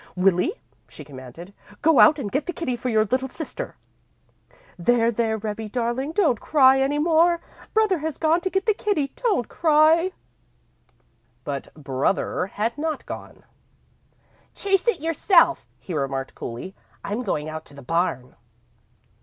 "Willie," she commanded, "go out and get the kitty for your little sister. There, there, Rebbie, darling, don't cry any more! Brother has gone to get the kitty. Don't cry!" But "brother" had not gone. "Chase it yourself," he remarked, coolly. "I'm going out to the barn."